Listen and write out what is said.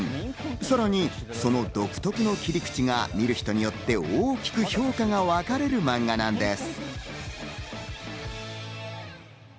さらにその独特な切り口が見る人によって大きく評価が分かれるマンガなんです。